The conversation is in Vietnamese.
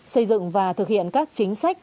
xây dựng và thực hiện các chính sách